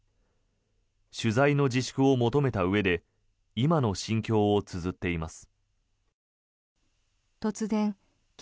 取材の自粛を求めたうえで今の心境をつづっています。